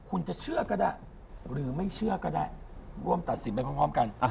คุณจะเชื่อก็ได้หรือไม่เชื่อก็ได้ร่วมตัดสินไปพร้อมกัน